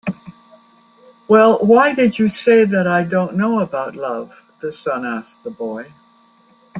"Well, why did you say that I don't know about love?" the sun asked the boy.